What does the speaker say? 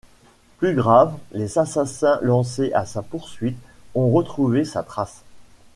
Plus grave, les assassins lancés à sa poursuite ont retrouvé sa trace...